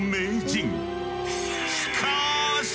しかし！